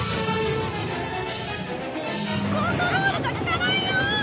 コントロールが利かないよ！